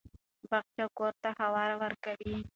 باغچه کور ته هوا ورکوي.